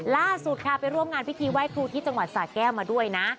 ล่าสุดค่ะไปร่วมงานพิธีไหว้ครูที่จังหวัดสาแก้วมาด้วยนะ